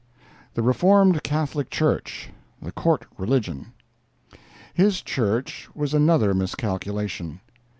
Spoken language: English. THE REFORMED CATHOLIC CHURCH—THE COURT RELIGION His church was another miscalculation.